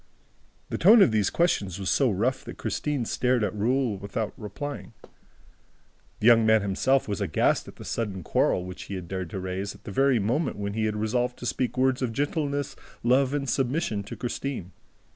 The tone of these questions was so rough that Christine stared at Raoul without replying. The young man himself was aghast at the sudden quarrel which he had dared to raise at the very moment when he had resolved to speak words of gentleness, love and submission to Christine.